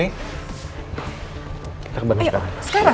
kita ke bandung sekarang